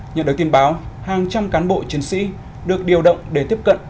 nhận được tin báo hàng trăm cán bộ chiến sĩ được điều động để tiếp cận